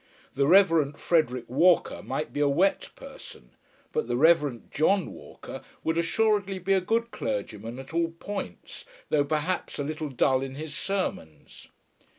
The Rev. Frederic Walker might be a wet parson, but the Rev. John Walker would assuredly be a good clergyman at all points, though perhaps a little dull in his sermons.